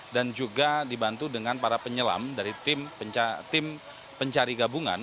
dan juga dibantu dengan para penyelam dari tim pencari gabungan